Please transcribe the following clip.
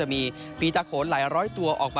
สวัสดีครับทุกคน